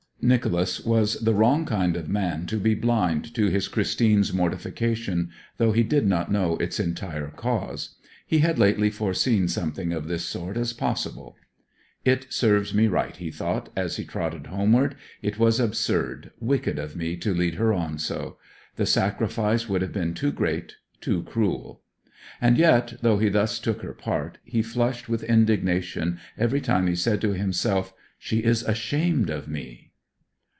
Nicholas was the wrong kind of man to be blind to his Christine's mortification, though he did not know its entire cause. He had lately foreseen something of this sort as possible. 'It serves me right,' he thought, as he trotted homeward. 'It was absurd wicked of me to lead her on so. The sacrifice would have been too great too cruel!' And yet, though he thus took her part, he flushed with indignation every time he said to himself, 'She is ashamed of me!'